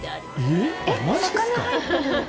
えっマジっすか！？